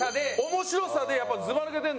面白さでずば抜けてる。